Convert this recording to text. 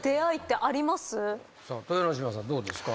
豊ノ島さんどうですか？